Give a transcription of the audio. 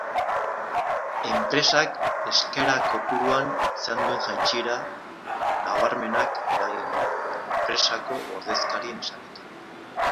Enpresak eskaera kopuruan izan duen jaitsiera nabarmenak eragin du, enpresako ordezkarien esanetan.